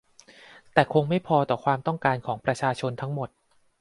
แต่คงไม่พอต่อความต้องการของประชาชนทั้งหมด